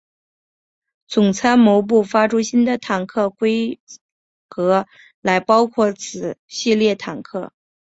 总参谋部发出新的坦克规格来包括此系列坦克。